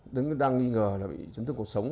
đến đang nghi ngờ là bị chấn thương cuộc sống